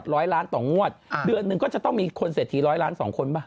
ร้อยล้านต่องวดอ่าเดือนหนึ่งก็จะต้องมีคนเศรษฐีร้อยล้านสองคนป่ะ